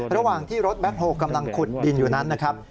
ระหว่างที่รถแบ็คโฮลกำลังขุดดินอยู่นั้นนะครับ